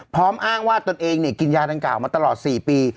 พร้อมอ้างว่าตนเองเนี่ยกินยาทั้งเก่ามาตลอดสี่ปี